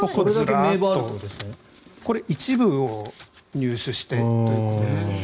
これ、一部を入手してということですね。